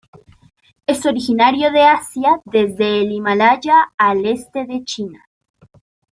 Es originario de Asia desde el Himalaya al este de China.